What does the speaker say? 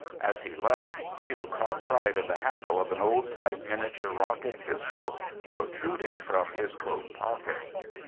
As he left, Hugh caught sight of the handle of an old type miniature rocket pistol protruding from his coat pocket.